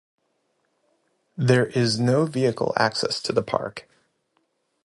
There is no vehicle access to the park.